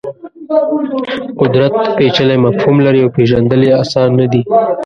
قدرت پېچلی مفهوم لري او پېژندل یې اسان نه دي.